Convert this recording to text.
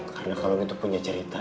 karena kalung itu punya cerita